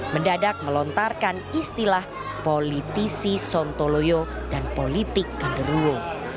mendadak melontarkan istilah politisi sontoloyo dan politik kanderuo